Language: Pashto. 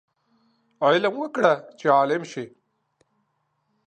علم وکړه چې عالم شې